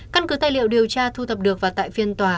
căn cứ tài liệu điều tra thu thập được và tại phiên tòa